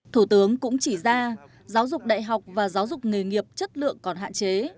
thủ tướng cũng chỉ ra giáo dục đại học và giáo dục nghề nghiệp chất lượng còn hạn chế